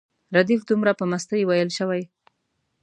ردیف دومره په مستۍ ویل شوی.